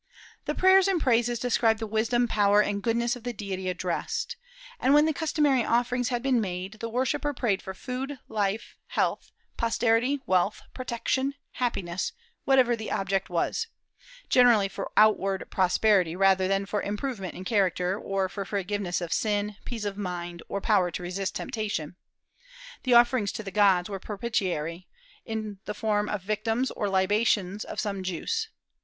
"The prayers and praises describe the wisdom, power, and goodness of the deity addressed," and when the customary offerings had been made, the worshipper prayed for food, life, health, posterity, wealth, protection, happiness, whatever the object was, generally for outward prosperity rather than for improvement in character, or for forgiveness of sin, peace of mind, or power to resist temptation. The offerings to the gods were propitiatory, in the form of victims, or libations of some juice.